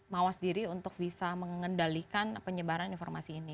mawas diri untuk bisa mengendalikan penyebaran informasi ini